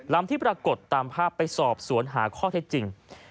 ที่ปรากฏตามภาพไปสอบสวนหาข้อเท็จจริง